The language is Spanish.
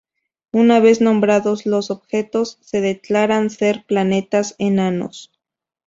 Una vez nombrados, los objetos se declaran ser planetas enanos.